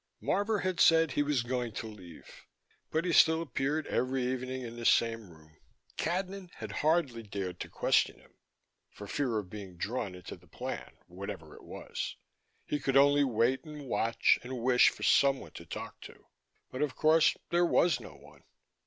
Marvor had said he was going to leave, but he still appeared every evening in the same room. Cadnan had hardly dared to question him, for fear of being drawn into the plan, whatever it was: he could only wait and watch and wish for someone to talk to. But, of course, there was no one.